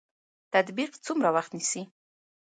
تطبیق څومره وخت نیسي؟